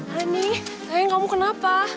hani sayang kamu kenapa